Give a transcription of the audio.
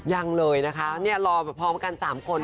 ยังเลยนะคะเนี่ยรอพร้อมกัน๓คน